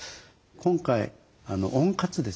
今回温活ですよね。